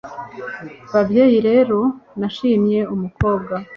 babyeyi rero, nashimye umukobwa